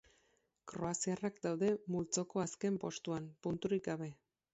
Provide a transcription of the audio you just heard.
Kroaziarrak daude multzoko azken postuan, punturik gabe.